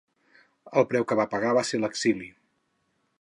El preu que va pagar va ser l'exili.